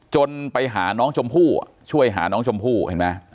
จนไปหาน้องชมพู่ช่วยหาน้องชมพู่เห็นไหม